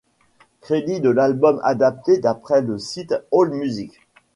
Crédits de l'album adaptés d'après le site AllMusic.